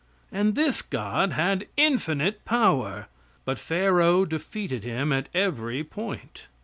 And this God had infinite power, but Pharaoh defeated Him at every point!